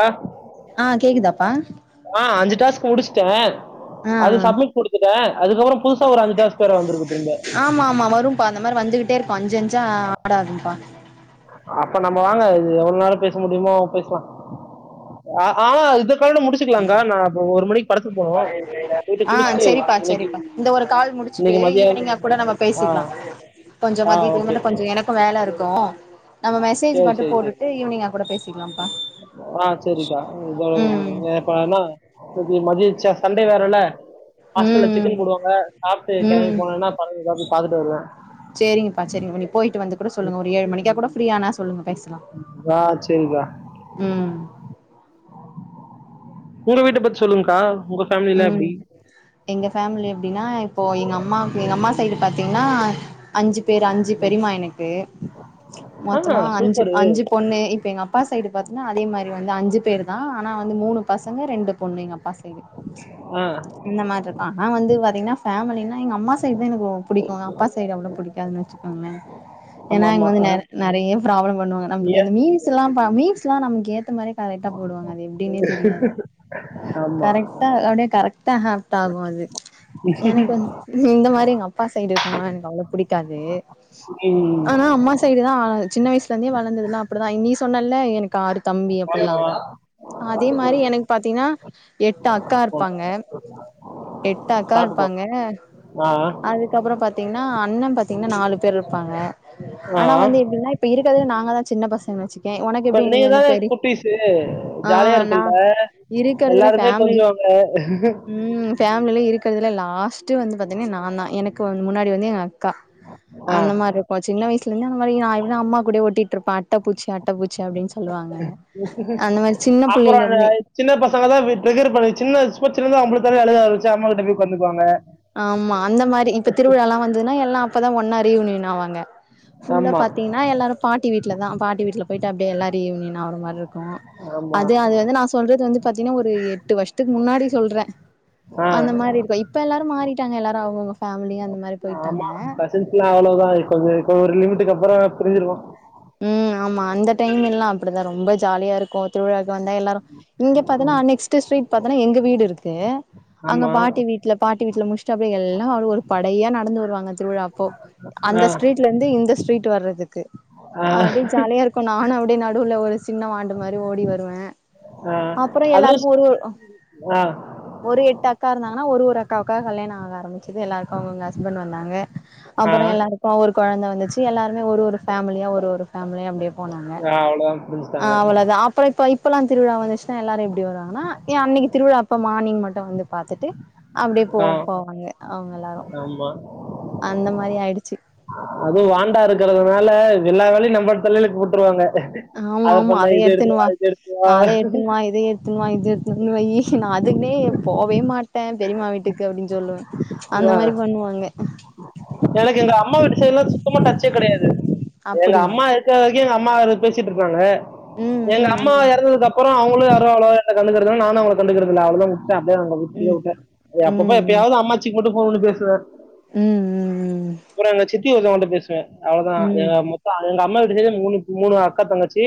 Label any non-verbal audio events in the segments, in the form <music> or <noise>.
ஆ ஆ கேக்குதாப்பா ஆ அஞ்சு டாஸ்க் முடிச்ட்டே அது சப்மிட் குடுத்துட்டே அதுக்கப்பற ஆமாம்மா வரும்பா அந்த மாரி வந்துகிட் ட்டே இருக்கு அஞ்சஞ்சா ஆடாகும்பா அப்ப நம்ம வாங்க இது எவ்ளோ நேர பேச முடியுமோ பேசலா அ ஆ இது இத்தோட முடிச்சுக்லாங்க்கா நா இப்ப ஒரு மணிக்கு படத்துக்கு போணு போயிட்டு ஆ குளிச்ட்டு செரிப்பா இன்னைக்கு செரிப்பா இந்த ஒரு கால் முடிச்சுட்டு இன்னைக்கு ஈவ்னிங்கா மதியானம் கூட நம்ம ஆ பேசிக்லா கொஞ் கொஞ்ச ஆ மதியத்துக்கு ஓகே. மேல கொஞ்ச எனக்கு வேல இருக்கு நம்ம மெசேஜ் சரி, மட்டு சரி, சரி. போட்டுட்டு ஈவ்னிங்கா கூட பேசிக்லாம்ப்பா ஆ சேரிக்கா இதோட இப்ப என்னா இன்னக்கி மதியச் சே சண்டே வேரல ஹாஸ்டல்ல ம் சிக்கன் போடுவாங்க சாப்ட்டு கெளம்பி ம் போனனா படம் பாக் பாத்துட்டு வருவ சேரிங்கப்பா சேரிங்கா நீ போயிட்டு வந்து கூட சொல்லுங்க ஒரு ஏழு மணிக்கா கூட ஃப்ரீயானா சொல்லுங்க பேசலா ஆ சரிக்கா. ம் உங்க வீட்ட பத்தி சொல்லுங்க்கா ம் எங்க ஃபேம்லி எப்டினா இப்போ எங்க அம்மாவுக்கு எங்க அம்மா சைடு பாத்தீங்னா அஞ்சு பேர் அஞ்சு பெரிமா எனக்கு ஆ மொத்தமா அஞ்சு சூப்பரு அஞ்சு பொண்ணு இப்ப எங்கப் அப்பா சைடு பாத்தினா அதே மாரி வந்து அஞ்சு பேரு தா ஆனா வந்து மூணு பசங்க ரெண்டு பொண்ணு எங்க அப்பா சைடு ஆ அந்த மாரு ஆனா வந்து பாத்தீங்னா ஃபேமிலினா எங்க அம்மா சைடு் தா எனக்கு ரொ புடிக்கு அப்பா சைடு அவ்ளோ புடிக்காதுன்னு வச்சுக்கோங்ளே ஆமா ஏனா ஆமா இங்க வந்து ஆ நெற் நெறைய ப்ராப்ளம் பண்ணுவாங்க நீங்க நம்மளுக்கு இந்த மீம்ஸ் த்தெல்லாம்ப்பா மீம்ஸ்லா நமக்கு ஏத்த மாரியே கரெக்டா போடுவாங்க அது எப்டினே தெரியாது ஆமா கரெக் அ கரெக்டா ஹாப்ட்டாகு அது எனக்கு வந் ம் இந்த மாரி எங்கம் அப்பா சைடு இருக்கவ்ங்களா எனக்கு அவ்ளோ‌ புடிக்காது ம் ஆனா அம்மா சைடு தா ஆ சின்ன வயசுலருந்தே வளந்ததுலா அப்டிதா இன்னக்கி சொன்னல எனக்கு ஆறு தம்பி அ வைமா அதே மாரி எனக்கு பாத்தீனா எட்டு அக்கா இருப்பாங்க எட்டு‌ அக்கா சாப்பிட்டு போ இருப்பாங்க ஆ அதுக்கப்பற பாத் தீங்னா அண்ண பாத்தீங்னா நாலு பேரு இருப்பாங்க ஆ ஆனா வந்து எப்டினா இப்ப இருக்கதே நாங்க தா சின்ன பசங்க வச்சுக்கே ஒனக்கு இப்ப எப்டி நீ நீங்க வந்து தானே பெரி குட்டீஸு ஆ ஜாலியா நா இருக்கும்ல இருக்கறதுல எல்லாருமே ஃபேம்லி கொஞ்சுவாங்க ம் ஃபேம்லில இருக்கதுல லாஸ்ட்டு வந்து பாத்தீனா நாந்தா எனக் கு முன்னாடி வந்து எங்க அக்கா ஆ அந்த மார்ருப்போ சின்ன வயசுல இருந்தே அந்த மாரி நா இருந்தா அம்மா கூடே ஒட்டிட் ட்ருப்ப அட்டப்பூச்சி அட்டப்பூச்சி அப்டின் சொல்லுவாங்க அந்த மாரி சின்ன புள்ளைல இருந்தே சொல்லதா இப்டி ட்ரிகரு பண்ணி சின்ன சும்மா சின்னதா வம்பிலுத்தாலே அழுக ஆரமிச்சி அம்மா கிட்ட போய் ஒக்காந்துகுவாங்க ஆமா அந்த மாரி இப்ப திருவிழால்லா வந்ததுனா எல்லா அப்பதா ஒன்னா ரீயூனியன் ஆவாங்க ஃபுல்லா ஆமா பாத்தீங்னா எல்லாரு பாட்டி வீட்ல தா பாட்டி வீட்ல போய்ட்டு அப்டியே எல்லா ரீயூனியன் ஆவுர மார்ருக்கு ஆமா அது அது வந்து நா சொல்றது வந்து பாத்தீனா ஒரு எட்டு வர்ஷ த்துக்கு முன்னாடி சொல்ற ஆ அந்த மாரி இருக்கு இப்பெல்லா மாறிட்டாங்க எல்லாரு அவ்ங்கவ்ங்க ஃபேமிலி அந்த மாரி போய்ட்டாங்க அவ்ளோதானே கொஞ்ச இப்போ ஒரு லிமிட்டுக்கு அப்பற பிரிஞ்சிருவோ ம் ஆமா அந்த டைமெல்லா அப்டி தா ரொம்ப ஜாலியா இருக்கு திருவிழாவுக்கு வந்தா எல்லாரு இங்கே பாத்தனா நெக்ஸ்ட்டு ஸ்ட்ரீட் பாத்தனா எங்க வீடு இருக்கு அங்க ஆமா. பாட்டி வீட்ல பாட்டி வீட்ல முச்ட்டு அப்டியே எல்லா அவரு ஒரு படையா நடந்து வருவாங்க திருவிழா அப்போ ஆ, அந்த ஸ்ட்ரீட்லருந்து இந்த ஸ்ட்ரீட் வர்றதுக் கு ஆ, அப்டி ஜாலியா இருக்கு நானு அப்டி நடுவுல ஒரு சின்ன வாண்டு மாரி ஓடி வருவே ஆ. அப்பற எல்லாருக்கு ஒரு அ ஒரு எட்டு அக்கா இருந்தாங்கனா ஒரு ஒரு அக்காவுக்கா கல்யாணோ ஆக ஆரம்பிச்சிது எல்லாருக்கு அவுங்கவுங்க ஹஸ்பண் வந்தாங்க ஆ, அப்ப எல்லாருக்கு ஒரு கொழந்த வந்துச்சு எல்லாருமே ஒரு ஒரு ஃபேமிலியா ஒரு ஒரு ஃபேமிலியா அப்டியே போனாங்க ஆ அவ்வளோதான் ஆ புரிஞ்சுட்டாங்க. அவளதா அப்புறோ இப்ப இப் பெல்லா திருவிழா வந்துச்சுனா எல்லாரு எப்டி வருவாங்கனா எ அன்னைக்கி திருவிழா அப்ப மார்னிங் மட்டு வந்து பாத்துட்டு அப்டியே போ ஆ, போவாங்க அவுங்கெல்லாரு ஆமா. அந்த மாரி ஆய்டுச்சு அதுவு வாண்டா இருக்கறதுனால எல்லா வேலையு நம்ப தலைல போட்ருவாங்க ஆமா ஆமா அத எடுத்துணுவா எடுத்துட்டு வா. அத எட்த்துன் வா இத எட்த்துன் வா இத எட்த்துன் வந்து வையி நா இதுக்குனே போவே மாட்டே பெரிமா வீட்டுக்கு அப்டின் சொல்லுவ அந்த ஆ. மாரி பண்ணுவாங்க எனக்கு எங்க அம்மா வீட்டு சைட்ல்லா சுத்தமா டச்சே கடையாது எங்க அப்படியா அம்மா இருக்க வரைக்கு எங்க அம்மா <unintelligible> பேசிட்ருப்பாங்க ம் எங்க அம்மா எறந்ததுக்கு அப்புறோ அவுங்களு யாரு அவ்ளோவா வந்த கண்டுகறதுல்ல நானு அவுங்கள கண்டுகுறது இல்ல அவ்ள தா விட்ட அப்டே அவ்ங்கள எப்பியோ ம் முட்ட அப்பப்ப ம் எப்பயாவ்து அம்மாச்சிக்கு மட்டு ஃபோனு பேசுவ ம் அப்புறோ எங்க சித்தி ஒருத்தவங்ட் ட அவ்ளதா ம் ம் எங்க மொத்தோ எங்க அம்மா வீட்டு சைடு மூணு மூணு அக்கா தங்கச்சி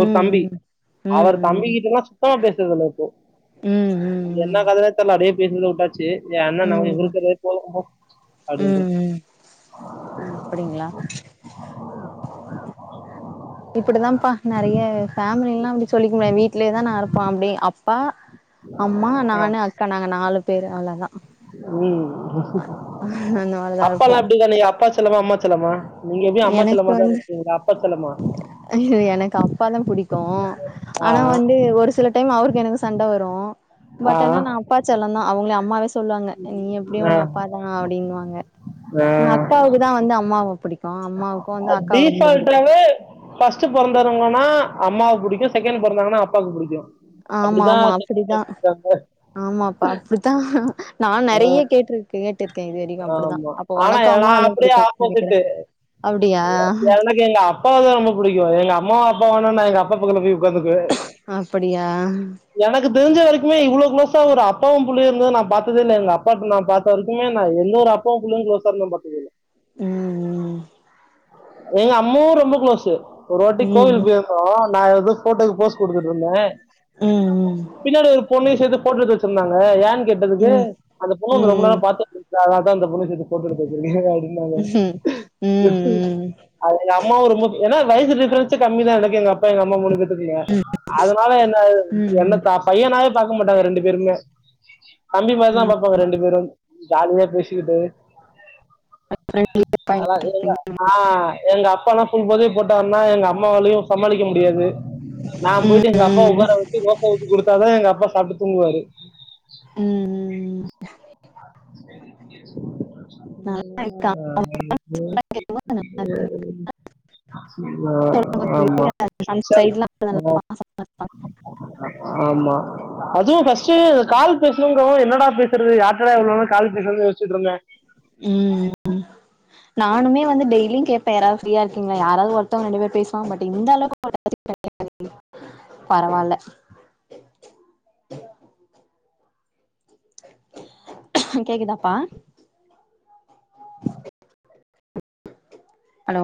ம் தம்பி ம் ம் அவரு தம்பி ம் கிட்ட எல்லா சுத்தமா பேசுற்துல்ல இப்போ ம் ம் ம் அது ம் என்ன கதனே தெர்ல அப்டியே பேசினே வுட்டாச்சு ஏ அண்ண நானு ம் இருக்குற்தே போது போ அப்படின்ட்டு ம் ம் ம் அப்படிங்ளா இப்புடிதான்ப்பா நெறைய ஃபேமிலில்லா அப்டி சொல்லிக்க முடியா வீட்லேதா நா இருப்ப அப்டி அப்பா அம்மா ஆ, நானு அக்கா நாங்க நாலு பேரு அவ்ளதா ம் அந்த மாரிதா இருப்போ அப்பால்லா எப்டிங்க நீங்க அப்பா செல்லமா அம்மா செல்லமா நீங்க எப்டியு அம்மா செல்லமா தா இருப்பீங்க அப்பா செல்லமா அய்யோ எனக்கு அப்பா தா புடிக்கு ஆ ஆனா வந்து ஒரு சில டைம் அவுருக்கு எனக்கு சண்ட வரு ஆ பட் ஆனா நா அப்பா செல்லந்தா அவுங்ளே அம்மாவே சொல்வாங்க நீ எப்டியு ஆ உங்க அப்பா தா அப்டின்வாங்க ஆ அக்காவுக்குதா வந்து அம்மாவ பிடிக் டீஃபால்டாவே ஃபஸ்ட்டு பொறந்தருங்க னா அம்மாவ புடிக்கு செகண்னு பொறந்தவங்கனா அப்பாவுக்கு புடிக்கு ஆமா ஆமா அப்படித்தா ஆமாப்பா அப்டித்தா நா நெறைய கேட்ருக் க கேட்ருக்க இது வரிக்கு அப்பிடிதா ஆமா. அப்போ ஆனா உனக்கோ நான் அம்மதான அப்படியே புடிக்கு நெனைக்கிற ஆப்போசிட்டு. எனக்கு எங்க அப்பாவ தா ரொம்ப புடிக்கு எங்க அம்மா அப்பா வேணுன்னா எங்க அப்பா பக்கத்துல போய் உட்காந்துக்குவேன். அப்படியா கு தெரிஞ்ச வரைக்குமே இவ்வுளோ க்ளோஸா ஒரு அப்பாவு புள்ளையு இருந்தத நா பாத் ததே இல்ல எங்க அப்பாட்ட நா பாத்த வரிக்குமே நா எந்தவொரு அப்பா புள்ளையு க்ளோஸா இருந்து நா பாத்ததே இல்ல ம் ம் எங்க அம்மாவு ரொம்ப க்ளோஸு ஒரு வாட்டி கோவில் ம் போயிருந்தோ நா எதோ ஃபோட்டோக்கு போஸ் குடுத்துட்ருந்தே ம் பின்னாடி ஒரு பொண்ணயு சேத்து ஃபோட்டா எட்த்து வெச்சிருந்தாங்க ஏ கேட்டதுக்கு ம் ம் அந்த பொண்ணு உன்ன ரொம்ப நேர ம் பாத்துட்ருந்தா அதனால்தா அந்த பொண்ணு ஃபோட்டோ எடுத்து வெச்சிருக்கே அப்டின்னாங்க ம் ம் அ எங்க அம்மாவு ரொம்ப ஏன்னா வயசு டிஃபரென்ட்ஸே கம்மி தா எனக்கு எங்க அப்பா எங்க அம்மா மூணு பேர்த்துக்குமே அதனால என்ன ம் என்ன ம் த பையனாவே பாக்க மாட்டாங்க ரெண்டு பேருமே தம்பி மாரி தா பாப்பாங்க ரெண்டு பேரும் ஜாலியா பேசிக்கிட்டு அத எங்க பண்ணிட்ருப்பீங்க ஆ எங்கப்பால்லா ஃபுல் போதய போட்டார் னா எங்க அம்மாவாலயு சமாளிக்க முடியாது நா ம் போய்ட்டு எங்க அப்பாவ ம் உக்கார வெச்சு தோச ஊத்தி குடுத்தாதா எங்க அப்பா சாப்ட்டு தூங்குவாரு ம் ம் ம் <unintelligible> <unintelligible> நல்லாருக்கு இல்ல ஆ ஆமா அந்த சைட்லா ஆமா அதுவு ஃபஸ்ட்டு கால் பேசணுங்கவு என்னடா பேசுறது யார்ட் என்னடா இவ்ளோ நேரோ கால் பேசறதுனு யோசிச்சிட்டு இருந்தே ம்ம் நானுமே வந்து டெய்லியு கேப்பே யாராவது ஃப்ரீய இருக்கீங்களா யாராவது ஒருத்தங்க ரெண்டு பேர் பேசுவாங்க பட் இந்த அளவுக்கு <inaudible> பரவால்ல கேக்குதாப்பா ஹலோ